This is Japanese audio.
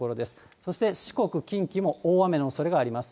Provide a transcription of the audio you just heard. そして四国、近畿も大雨のおそれがあります。